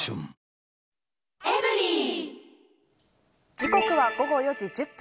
時刻は午後４時１０分。